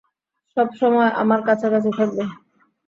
সবসময় আমার কাছাকাছি থাকবে।